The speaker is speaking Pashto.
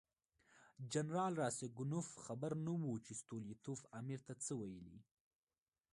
جنرال راسګونوف خبر نه و چې ستولیتوف امیر ته څه ویلي.